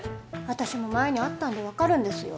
私も前にあったんで分かるんですよ